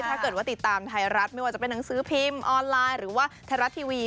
ถ้าเกิดว่าติดตามไทยรัฐไม่ว่าจะเป็นหนังสือพิมพ์ออนไลน์หรือว่าไทยรัฐทีวี